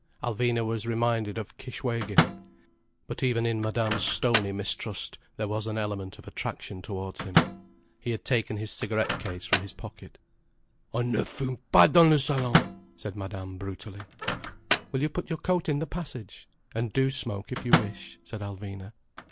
Alvina was reminded of Kishwégin. But even in Madame's stony mistrust there was an element of attraction towards him. He had taken his cigarette case from his pocket. "On ne fume pas dans le salon," said Madame brutally. "Will you put your coat in the passage?—and do smoke if you wish," said Alvina.